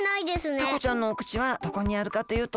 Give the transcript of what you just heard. タコちゃんのお口はどこにあるかというと。